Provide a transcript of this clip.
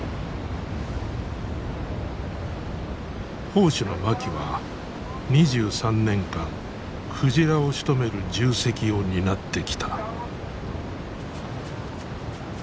砲手の槇は２３年間鯨をしとめる重責を担ってきた。